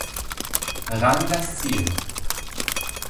Rang das Ziel.